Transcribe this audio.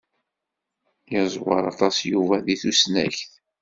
Yeẓwer aṭas Yuba deg tusnakt.